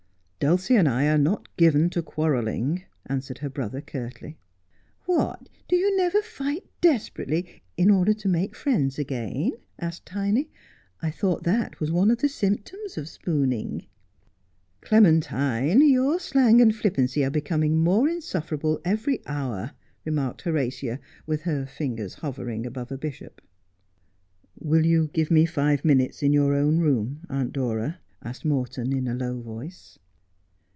' Dulcie and I are not given to quarrelling,' answered her brother curtly. ' What, do you never fight desperately, in order to make friends again ?' asked Tiny. ' I thought that was one of the symptoms of spooning.' ' Clementine, your slang and flippancy are becoming more in sufferable every hour/ remarked Horatia, with her fingers hover ing above a bishop. ' Will you give me five minutes in your own room, Aunt Dora ?' asked Morton in a low voice.